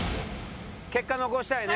結果残したいね。